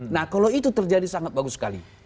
nah kalau itu terjadi sangat bagus sekali